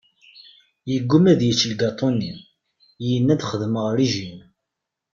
Yegguma ad yečč lgaṭu-nni, yenna-d xeddmeɣ rrijim.